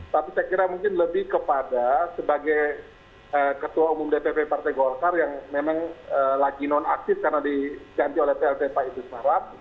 tapi saya kira mungkin lebih kepada sebagai ketua umum dpp partai golkar yang memang lagi non aksif karena di ganti oleh plt pak idus marwad